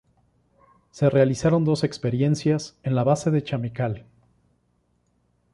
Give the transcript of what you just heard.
Se realizaron dos experiencias en la base de Chamical.